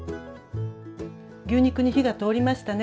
牛肉に火が通りましたね。